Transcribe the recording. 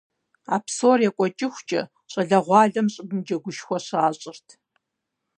А псор екӀуэкӀыхукӀэ, щӀалэгъуалэм щӀыбым джэгушхуэ щащӀырт.